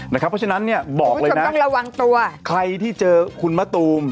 นะครับเพราะฉะนั้นบอกเลยนะใครที่เจอคุณมะตูม